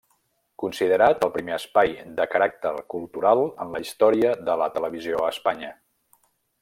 Considerat el primer espai de caràcter cultural en la història de la televisió a Espanya.